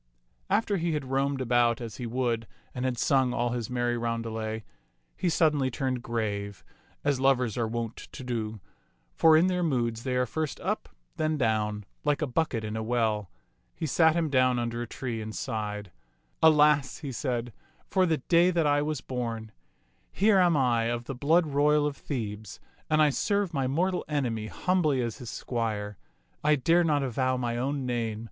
After he had roamed about as he would and had sung all his merry roundelay, he suddenly turned grave, as lovers are wont to do ; for in their moods they are first up, then down, like a bucket in a well. He sat him down under a tree and sighed. Alas," he said, "for the day that I was born. Here am I of the blood royal of Thebes, and I serve my mortal enemy humbly as his squire. I dare not avow my own name.